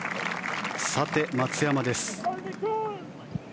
さて、松山です。